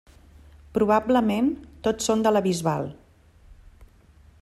Probablement tots són de la Bisbal.